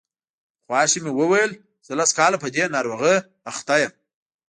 خواښې مې وویل زه لس کاله په دې ناروغۍ اخته یم.